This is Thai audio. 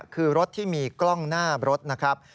คือรถที่มีกล้องหน้ารถนะครับ